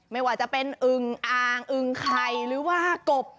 ไม่ว่าจะเป็นอึงอ่างอึงไข่หรือว่ากบ